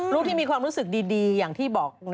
ลูกที่มีความรู้สึกดีอย่างที่บอก